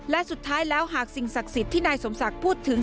และสุดท้ายแล้วหากสิ่งศักดิ์สิทธิ์ที่นายสมศักดิ์พูดถึง